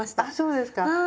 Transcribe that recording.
あそうですか。